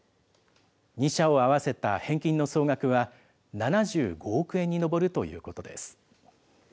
２社を合わせた返金の総額は７５億円に上るということです。